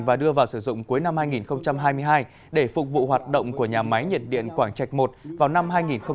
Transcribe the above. và đưa vào sử dụng cuối năm hai nghìn hai mươi hai để phục vụ hoạt động của nhà máy nhiệt điện quảng trạch i vào năm hai nghìn hai mươi